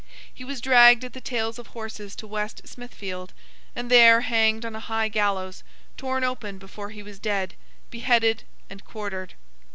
He was dragged at the tails of horses to West Smithfield, and there hanged on a high gallows, torn open before he was dead, beheaded, and quartered.